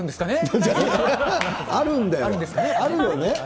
あるよね。